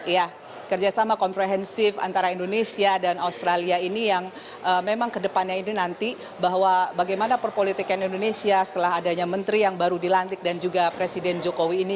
ya kerjasama komprehensif antara indonesia dan australia ini yang memang kedepannya ini nanti bahwa bagaimana perpolitikan indonesia setelah adanya menteri yang baru dilantik dan juga presiden jokowi ini